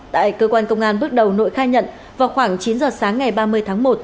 tại cơ quan công an bước đầu nội khai nhận vào khoảng chín giờ sáng ngày ba mươi tháng một